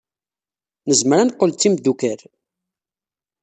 Nezmer ad neqqel d timeddukal?